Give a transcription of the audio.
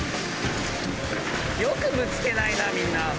よくぶつけないなみんな。